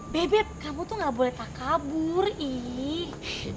bebep kamu tuh gak boleh takabur iiih